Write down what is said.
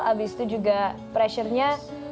abis itu juga pressure nya